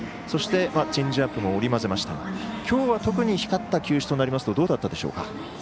そして、チェンジアップも織り交ぜましたがきょうは特に光った球種となりますとどうだったでしょうか。